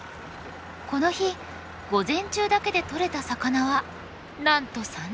この日午前中だけでとれた魚はなんと３０匹以上！